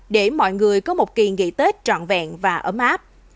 để mọi người có một kỳ nghỉ tết trọn vẹn và ấm áp